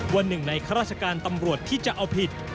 ว่าหนึ่งในข้าราชการตำรวจที่จะเอาผิด